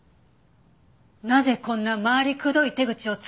なぜこんな回りくどい手口を使ったんです？